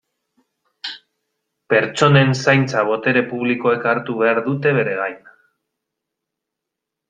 Pertsonen zaintza botere publikoek hartu behar dute bere gain.